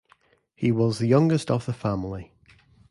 He was the youngest of the family.